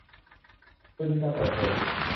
โดยมีการเปิดเผย